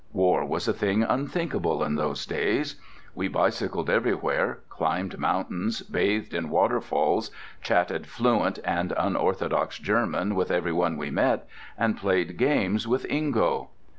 War was a thing unthinkable in those days. We bicycled everywhere, climbed, mountains, bathed in waterfalls, chatted fluent and unorthodox German with everyone we met, and played games with Ingo.